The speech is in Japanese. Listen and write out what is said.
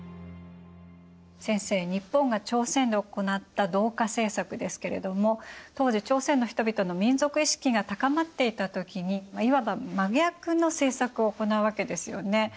先生日本が朝鮮で行った同化政策ですけれども当時朝鮮の人々の民族意識が高まっていた時にいわば真逆の政策を行うわけですよね。